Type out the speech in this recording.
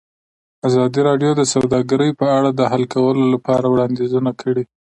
ازادي راډیو د سوداګري په اړه د حل کولو لپاره وړاندیزونه کړي.